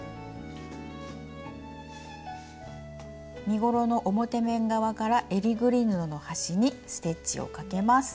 身ごろの表面側からえりぐり布の端にステッチをかけます。